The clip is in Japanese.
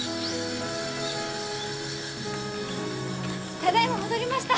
ただいま戻りました！